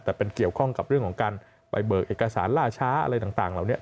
แต่เป็นเกี่ยวข้องกับเรื่องของการไปเบิกเอกสารล่าช้าอะไรต่างเหล่านี้